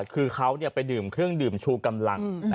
คือเขาไปดื่มเครื่องดื่มชูกำลัง